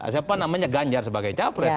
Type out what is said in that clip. siapa namanya ganjar sebagai capres